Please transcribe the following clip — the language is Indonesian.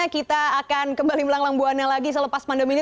kita akan kembali melanglang buannya lagi selepas pandemi ini